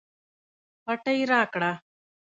پټۍ راکړه